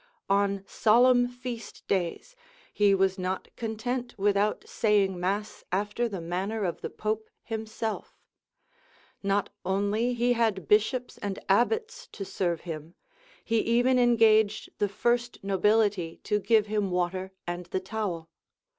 On solemn feast days, he was not content without saying mass after the manner of the pope himself: not only he had bishops and abbots to serve him; he even engaged the first nobility to give him water and the towel.